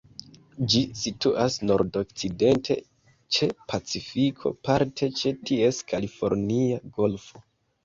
Ĝi situas nordokcidente ĉe Pacifiko, parte ĉe ties Kalifornia Golfo.